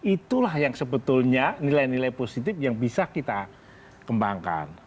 itulah yang sebetulnya nilai nilai positif yang bisa kita kembangkan